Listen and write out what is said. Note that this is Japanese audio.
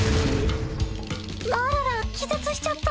あらら気絶しちゃった。